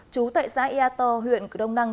chú tại xã yà tò huyện cửa đông năng